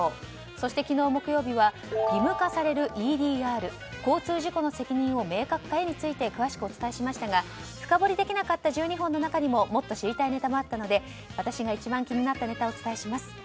そして昨日木曜日は義務化されるＥＤＲ交通事故の責任を明確化へについて詳しくお伝えしましたが深掘りできなかった１２本の中にももっと知りたいネタもあったので私が一番気になったネタをお伝えします。